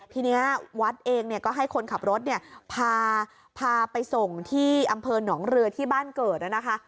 ทีนี้วัดเองเนี่ยก็ให้คนขับรถเนี่ยพาไปส่งที่อำเภอหนองเรือที่บ้านเกิดนะคะ